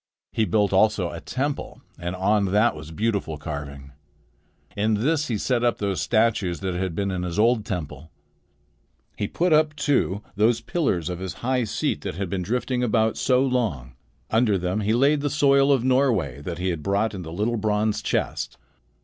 He built also a temple, and on that was beautiful carving. In this he set up those statues that had been in his old temple. He put up, too, those pillars of his high seat that had been drifting about so long. Under them he laid the soil of Norway that he had brought in the little bronze chest.